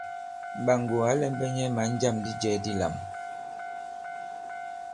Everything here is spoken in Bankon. Mɓàŋgò ǎ lɛ̄mbɛ̄ nyɛ̄ mǎn jâm di jɛ̄ dilām.